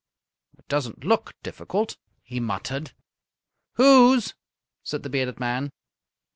"It doesn't look difficult," he muttered. "Hoo's!" said the bearded man.